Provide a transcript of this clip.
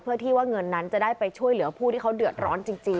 เพื่อที่ว่าเงินนั้นจะได้ไปช่วยเหลือผู้ที่เขาเดือดร้อนจริง